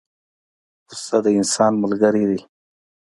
پسه د انسان ملګری دی.